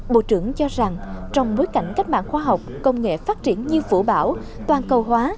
bộ trưởng cho rằng trong bối cảnh cách mạng khoa học công nghệ phát triển như phủ bảo toàn cầu hóa